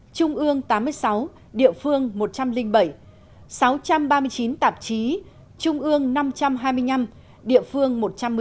trung ương tám mươi sáu địa phương một trăm linh bảy sáu trăm ba mươi chín tạp chí trung ương năm trăm hai mươi năm địa phương một trăm một mươi sáu